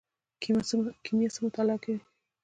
کیمیا څه مطالعه کوي؟